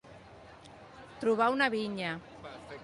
Trobar una vinya.